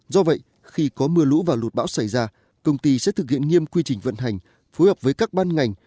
do vậy khi có mưa lũ và lụt bão xảy ra công ty sẽ thực hiện nghiêm quy trình vận hành phối hợp với các ban ngành